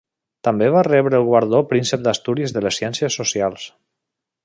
També va rebre el guardó Príncep d'Astúries de les Ciències Socials.